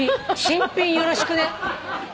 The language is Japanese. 新品よろしくね。